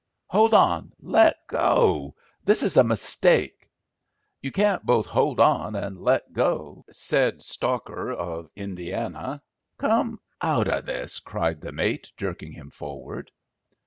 "Hold on; let go. This is a mistake." "You can't both hold on and let go," said Stalker, of Indiana. "Come out o' this," cried the mate, jerking him forward.